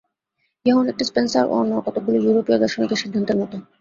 ইহা অনেকটা স্পেন্সার ও অন্যান্য কতকগুলি ইউরোপীয় দার্শনিকের সিদ্ধান্তের মত।